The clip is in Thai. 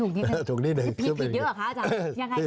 ผิดดีกว่าคะอาจารย์